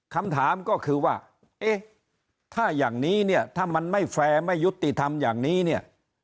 คำถามก็คือว่าเอ๊ะถ้าอย่างนี้เนี่ยถ้ามันไม่แฟร์ไม่ยุติธรรมอย่างนี้เนี่ย